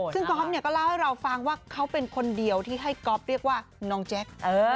ซึ่งก๊อฟเนี่ยก็เล่าให้เราฟังว่าเขาเป็นคนเดียวที่ให้ก๊อฟเรียกว่าน้องแจ๊ค